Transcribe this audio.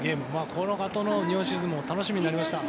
このあとの日本シリーズも楽しみになりました。